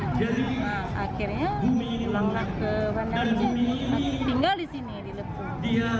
nah akhirnya pulang ke bandar aceh tinggal di sini di lepung